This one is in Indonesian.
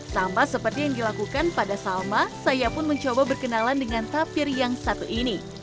sama seperti yang dilakukan pada salma saya pun mencoba berkenalan dengan tapir yang satu ini